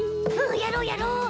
やろうやろう。